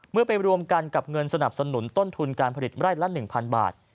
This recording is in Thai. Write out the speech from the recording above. ไปรวมกันกับเงินสนับสนุนต้นทุนการผลิตไร่ละ๑๐๐บาท